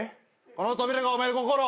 この扉がお前の心を。